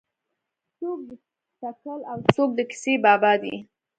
څوک د تکل او څوک د کیسې بابا دی.